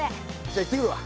じゃあ行ってくるわ。